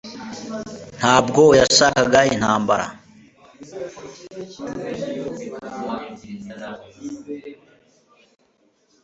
ntabwo yashakaga intambara